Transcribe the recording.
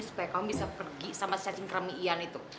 supaya kamu bisa pergi sama si cacing kremi ian itu